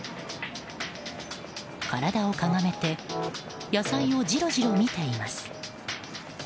体をかがめて野菜をじろじろ見ています。